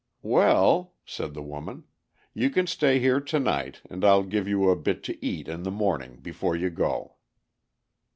"Well," said the woman, "you can stay here to night, and I'll give you a bit to eat in the morning before you go."